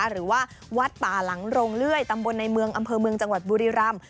หรือว่าวัดป่าหลังโรงเลื่อยตำบลในเมืองอำเภอเมืองจังหวัดบุรีรำ